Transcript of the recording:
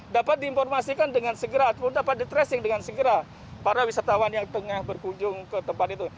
dapat diinformasikan dengan segera ataupun dapat di tracing dengan segera para wisatawan yang tengah berkunjung ke tempat itu